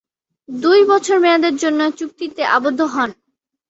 দুই বছর মেয়াদের জন্যে চুক্তিতে আবদ্ধ হন।